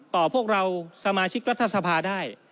พวกเราสมาชิกรัฐสภาได้